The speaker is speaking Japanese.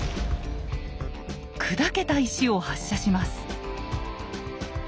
砕けた石を発射します。